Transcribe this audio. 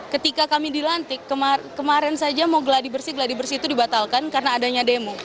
ketika kami dilantik kemarin saja mau geladi bersih geladi bersih itu dibatalkan karena adanya demo